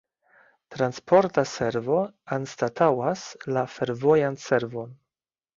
Transporta servo anstataŭas la fervojan servon.